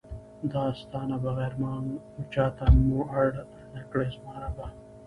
دا ستا نه بغیر چاته مو اړ نکړې زما ربه!